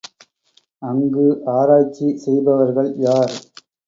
அங்கு ஆராய்ச்சி செய்பவர்கள் யார்?